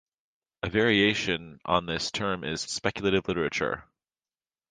A variation on this term is "speculative literature".